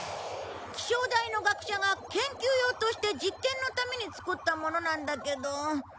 気象台の学者が研究用として実験のために作ったものなんだけど。